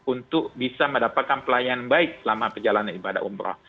untuk bisa mendapatkan pelayanan baik selama perjalanan ibadah umroh